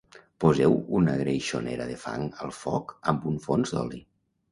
Poseu una greixonera de fang al foc amb un fons d'oli